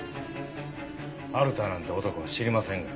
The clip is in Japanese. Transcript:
春田なんて男は知りませんが。